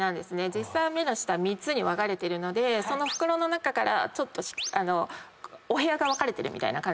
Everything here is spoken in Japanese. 実際は目の下３つに分かれてるのでその袋の中からちょっとお部屋が分かれてるみたいな感じなので。